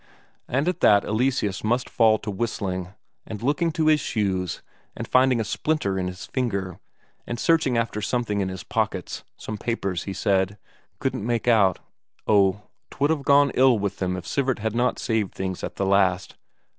And at that Eleseus must fall to whistling, and looking to his shoes, and finding a splinter in his finger, and searching after something in his pockets; some papers, he said, couldn't make out ... Oh, 'twould have gone ill with them if Sivert had not saved things at the last.